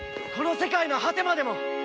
この世界の果てまでも！